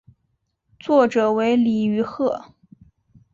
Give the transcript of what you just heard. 作者为李愚赫。